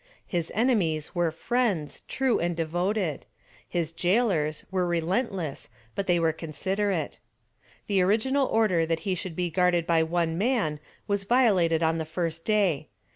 His enemies were friends, true and devoted; his gaolers were relentless but they were considerate. The original order that he should be guarded by one man was violated on the first day.